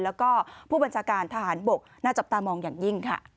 แล้วก็ผู้บัญชาการทหารบกน่าจับตามองอย่างยิ่งค่ะ